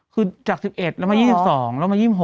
คือจาก๑๑แล้วมา๒๒แล้วมา๒๖